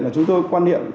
là chúng tôi quan niệm